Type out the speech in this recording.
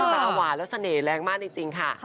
แต่หวานแล้วเสน่ห์แรงมากจริงค่ะ